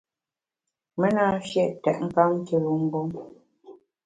Me na mfiét tètnkam kilu mgbom.